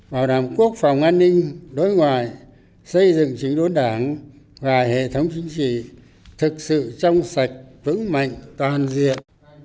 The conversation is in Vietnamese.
bảo đảm quốc phòng an ninh đối ngoại xây dựng chính đốn đảng và hệ thống chính trị thực sự trong sạch vững mạnh toàn diện